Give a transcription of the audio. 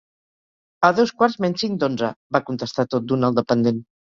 "A dos quarts menys cinc d'onze", va contestar tot d'una el dependent.